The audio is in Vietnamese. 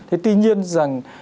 thì tuy nhiên rằng